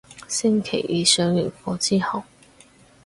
星期二上完課之後